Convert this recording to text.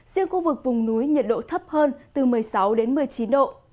riêng khu vực vùng núi nhiệt độ thấp hơn từ một mươi sáu đến một mươi chín độ